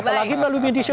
apalagi melalui media sosial